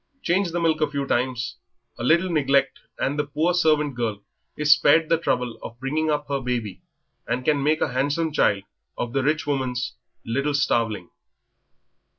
Change the milk a few times, a little neglect, and the poor servant girl is spared the trouble of bringing up her baby and can make a handsome child of the rich woman's little starveling."